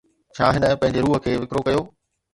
ڇا هن پنهنجي روح کي وڪرو ڪيو؟